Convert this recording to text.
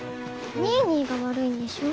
ニーニーが悪いんでしょ。